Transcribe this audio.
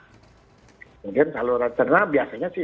mungkin saluran cernak biasanya